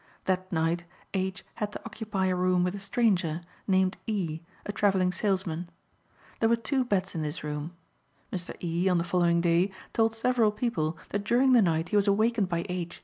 That night H. had to occupy a room with a stranger, named E., a travelling salesman. There were two beds in this room. Mr. E., on the following day told several people that during the night he was awakened by H.